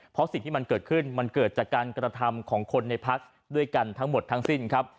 เพราะสิ่งที่มันเกิดขึ้นมันเกิดจากการกระทำของคนในพักด้วยกันทั้งหมดทั้งสิ้นครับ